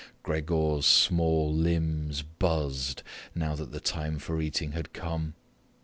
Gregor's small limbs buzzed now that the time for eating had come.